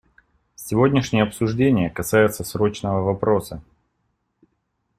Сегодняшнее обсуждение касается срочного вопроса.